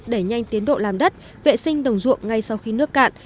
đẩy nhanh tiến độ làm đất vệ sinh đồng ruộng ngay sau khi nước cạn